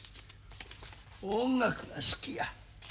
音楽が好きや。